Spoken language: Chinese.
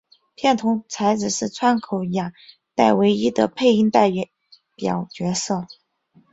片桐彩子是川口雅代唯一的配音代表角色。